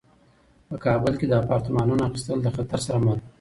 په کابل کې د اپارتمانونو اخیستل له خطر سره مل وو.